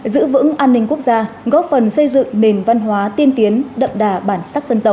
giữ vững an ninh quốc gia góp phần xây dựng nền văn hóa tiên tiến đậm đà bản sắc dân tộc